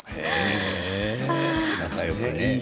仲よくね。